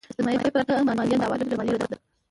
د سرمایې پر ګټه مالیه د عوایدو له مالیې لوړه ده.